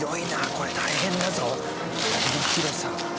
これ大変だぞこの広さ。